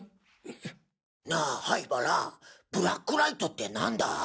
なあ灰原ブラックライトってなんだ？